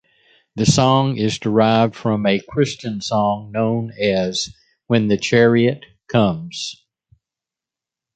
The song is derived from a Christian song known as "When the Chariot Comes".